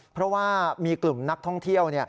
เพราะว่ามีกลุ่มนักท่องเที่ยว